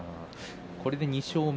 これで２勝目。